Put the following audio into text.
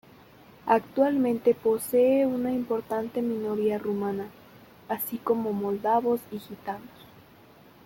Actualmente posee una importante minoría rumana, así como moldavos y gitanos.